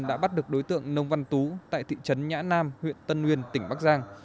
đã bắt được đối tượng nông văn tú tại thị trấn nhã nam huyện tân nguyên tỉnh bắc giang